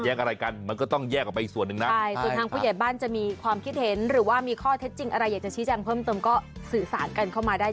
เอ้าก็ต้องสื่อสาวเลือกกันต่อ